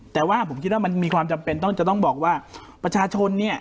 แต่ว่าผมคิดว่ามันมีความจำเป็นต้องจะต้องบอกว่าประชาชนเนี่ย